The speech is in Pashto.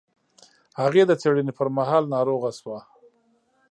هغې د څېړنې پر مهال ناروغه شوه.